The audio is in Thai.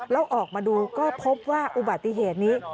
แล้วออกมาดูก็พบว่าอุบัติเหตุนี้